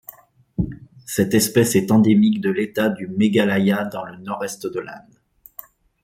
Cette espèce est endémique de l'État du Meghalaya dans le nord-est de l'Inde.